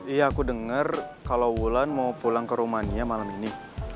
iya aku dengar kalau wulan mau pulang ke rumania malam ini